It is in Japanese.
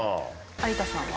有田さんは？